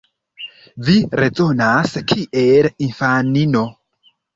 Vi rezonas kiel infanino.